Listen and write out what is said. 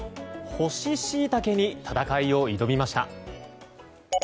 干しシイタケに戦いを挑みました。